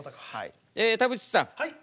え田渕さん